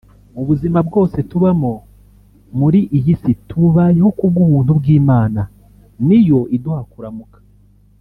Ubuzima bwose tubamo muri iyi si tububayeho ku bw’ubuntu bw’Imana niyo iduha kuramuka